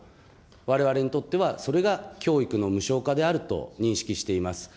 われわれにとっては、それが教育の無償化であると認識しています。